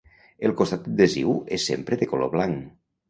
El costat adhesiu és sempre de color blanc.